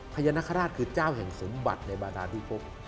พญานาคาราชคือเจ้าแห่งสมบัติในบาดาพิพบ